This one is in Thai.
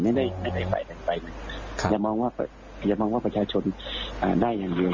ไม่ได้ไปใดอย่ามองว่าประชาชนได้อย่างเดียว